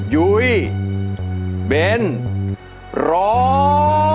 ยุ้ยเบนร้อง